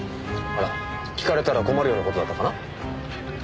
あら聞かれたら困るような事だったかな？